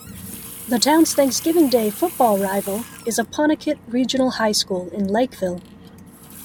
The town's Thanksgiving Day football rival is Apponequet Regional High School, in Lakeville.